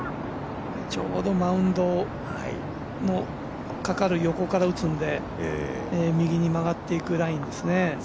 マウンド、横から打つので右に曲がっていくラインですね。